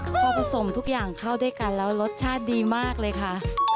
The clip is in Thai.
พอผสมทุกอย่างเข้าด้วยกันแล้วรสชาติดีมากเลยค่ะ